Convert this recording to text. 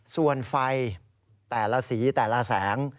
ส่วนไฟแต่ละสีแต่ละแสง